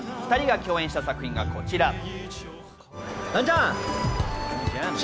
２人が共演した作品がこちら。